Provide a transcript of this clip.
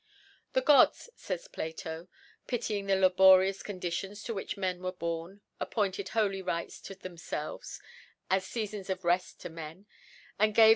♦ The GodS) fays PlatOy pitying the laborious Gondltion to which Men were boni) appointed holy Ritej to thenifclves, as Seafons of Reft to Men 5 and gave t!